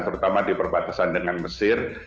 terutama di perbatasan dengan mesir